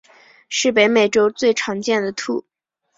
是北美洲最常见的兔。